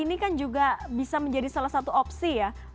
ini kan juga bisa menjadi salah satu opsi ya